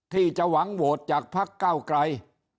ที่เจ้าหวังววสจากภัคเก้าไกร